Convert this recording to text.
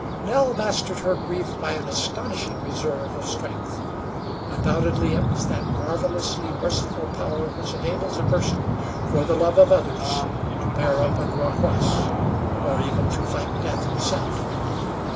Nell mastered her grief by an astonishing reserve of strength. Undoubtedly it was that marvelously merciful power which enables a person, for the love of others, to bear up under a cross, or even to fight death himself.